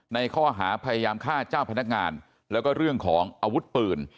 ในข้อหาพยายามฆ่าเจ้าพนักงานแล้วก็เรื่องของอาวุธปืน